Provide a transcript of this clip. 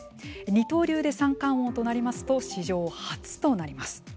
二刀流で三冠王となりますと史上初となります。